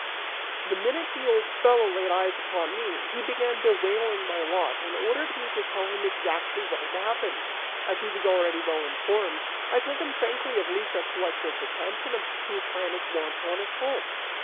The minute the old fellow laid eyes upon me, he began bewailing my lot and ordered me to tell him exactly what had happened. As he was already well informed, I told him frankly of Lycas' lecherous attempt and of Tryphaena's wanton assault.